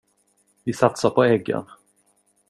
Vi satsar på äggen.